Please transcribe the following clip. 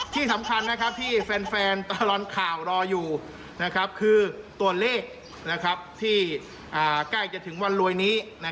ที่สำคัญที่แฟนตลอดข่าวรออยู่คือตัวเลขที่ใกล้จะถึงวันรวยนี้